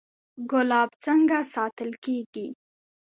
ګلاب څنګه ساتل کیږي؟